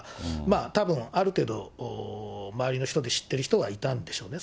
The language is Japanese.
たぶん、ある程度、周りの人で知ってる人がいたんでしょうね。